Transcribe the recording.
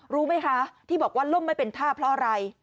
รู้ไหมคะที่บอกว่าล่มไม่เป็นท่าเพราะอะไร